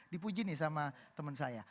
dipuji nih sama temen saya